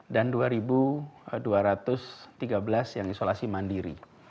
dan dua dua ratus tiga belas yang isolasi mandiri